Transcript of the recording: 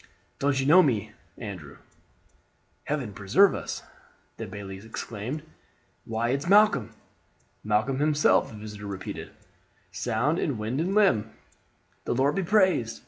"Don't you know me, Andrew?" "Heaven preserve us," the bailie exclaimed, "why it's Malcolm!" "Malcolm himself," the visitor repeated, "sound in wind and limb." "The Lord be praised!"